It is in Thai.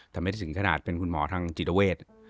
แต่ไม่ได้ถึงขนาดเป็นคุณหมอทางจิตเวท